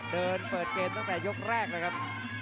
เปิดเกมตั้งแต่ยกแรกเลยครับ